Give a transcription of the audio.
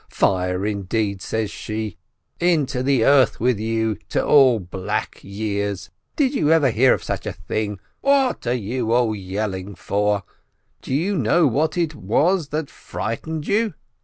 Fire, indeed, says she ! Into the earth with you, to all black years ! Did you ever hear of such a thing ? What are you all yelling for? Do you know what it was that frightened you?